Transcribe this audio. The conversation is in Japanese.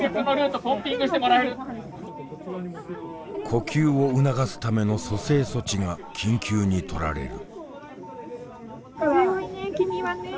呼吸を促すための蘇生措置が緊急に取られる。